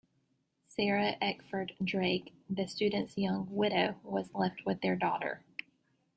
Sarah Eckford Drake, the student's young widow, was left with their daughter.